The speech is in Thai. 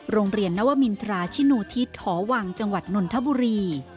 โรงเรียนนวมินทราชินูทิศหอวังจังหวัดนนทบุรี